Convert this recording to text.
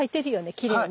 きれいに。